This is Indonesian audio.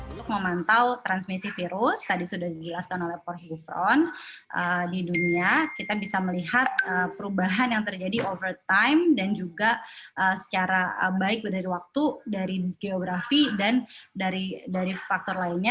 untuk memantau transmisi virus tadi sudah dijelaskan oleh prof gufron di dunia kita bisa melihat perubahan yang terjadi over time dan juga secara baik dari waktu dari geografi dan dari faktor lainnya